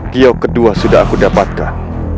kiok kedua sudah aku dapatkan